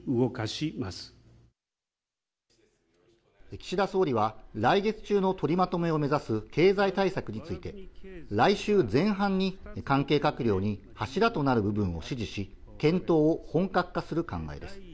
岸田総理は来月中の取りまとめを目指す経済対策について、来週前半に関係閣僚に柱となる部分を指示し、検討を本格化する考えです。